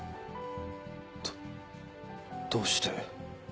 どどうして。